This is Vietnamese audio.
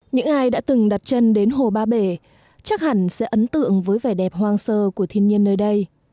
những ai đã từng đặt chân đến hồ ba bể chắc hẳn sẽ ấn tượng với vẻ đẹp hoang sơ của thiên nhiên nơi đây